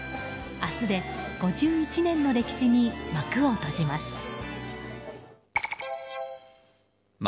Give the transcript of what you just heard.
明日で５１年の歴史に幕を閉じます。